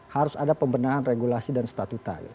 harus ada pembenahan regulasi dan statuta